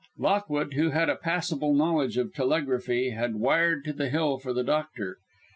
Lockwood, who had a passable knowledge of telegraphy, had wired to the Hill for the doctor.